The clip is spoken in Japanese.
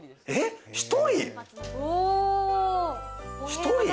１人？